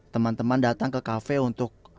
teman teman datang ke kafe untuk